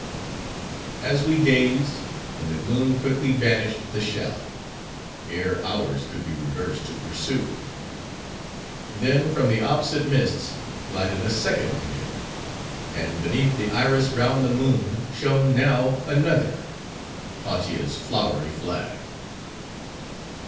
As we gazed, in the gloom quickly vanished the shallop; ere ours could be reversed to pursue. Then, from the opposite mists, glided a second canoe; and beneath the Iris round the moon, shone now another:—Hautia's flowery flag!